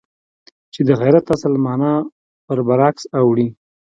چې د غیرت اصل مانا پر برعکس اوړي.